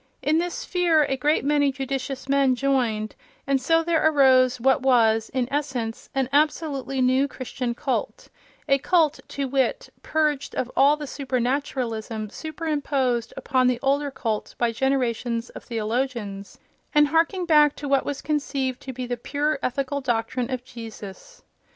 In this fear a great many judicious men joined, and so there arose what was, in essence, an absolutely new Christian cult—a cult, to wit, purged of all the supernaturalism superimposed upon the older cult by generations of theologians, and harking back to what was conceived to be the pure ethical doctrine of Jesus.